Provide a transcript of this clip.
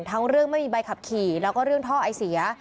เรื่องไม่มีใบขับขี่แล้วก็เรื่องท่อไอเสีย